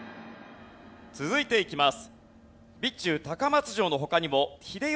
続いていきます。